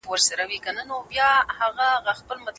دښمن منظر د ژوند خوند کموي.